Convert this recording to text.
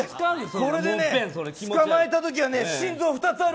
これで捕まえたときは心臓が２つある